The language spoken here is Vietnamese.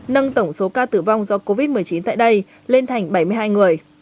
nâng tổng số ca tử vong do covid một mươi chín tại đây lên thành bảy mươi hai người